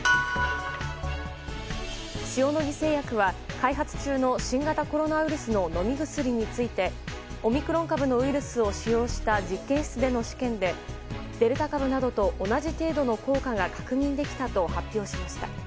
塩野義製薬は開発中の新型コロナウイルスの飲み薬についてオミクロン株のウイルスを使用した実験室での試験でデルタ株などと同じ程度の効果が確認できたと発表しました。